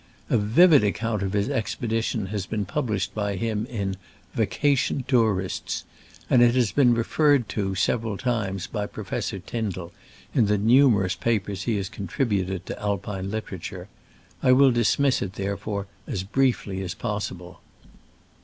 A vivid account of his expedition has been pub lished by him in "Vacation Tourists," and it has been referred to several times by Professor Tyndall in the numerous papers he has contributed to Alpine lit erature. I will dismiss it, therefore, as briefly as possible.